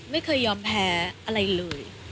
ไม่ยอมแพ้อะไรเลย